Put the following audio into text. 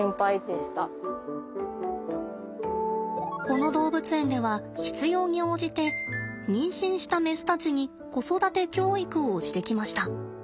この動物園では必要に応じて妊娠したメスたちに子育て教育をしてきました。